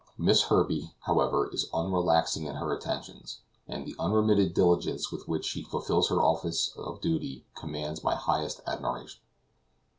Miss Herbey, however, is unrelaxing in her attentions, and the unremitted diligence with which she fulfills her offices of duty, commands my highest admiration.